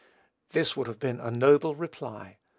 This would have been a noble reply.